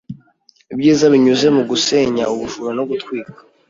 Ibyiza binyuze mu gusenya ubujura no gutwika